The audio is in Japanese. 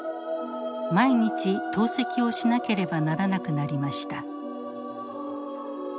毎日透析をしなければならなくなりました。